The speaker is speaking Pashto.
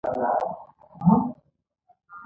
د ماشومانو ورزش د قوت او انرژۍ سبب دی.